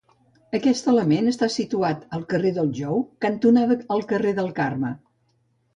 Aquest element està situat al carrer del Jou cantonada al carrer del Carme.